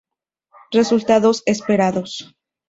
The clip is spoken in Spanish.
Resultados esperados.